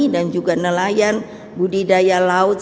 dan juga nelayan budidaya laut